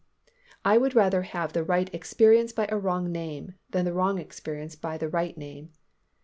_, I would rather have the right experience by a wrong name, than the wrong experience by the right name.